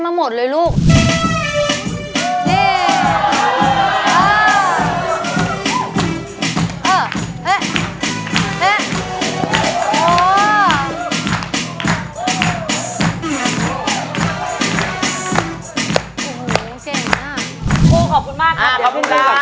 ครูขอบคุณมากครับ